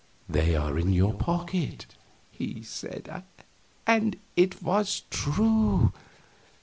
"They are in your pockets," he said, and it was true.